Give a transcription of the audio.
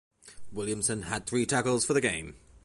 Williamson had three tackles for the game.